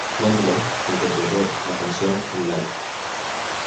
Mendler interpretó la canción en "Live!